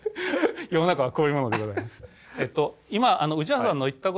世の中はこういうものでございます。